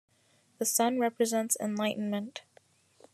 The sun represents enlightenment.